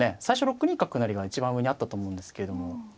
最初６二角成が一番上にあったと思うんですけども。